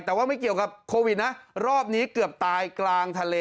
แต่ว่าไม่เกี่ยวกับโควิดนะรอบนี้เกือบตายกลางทะเล